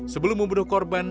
sebelum membunuh korban